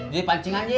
jadi pancing aja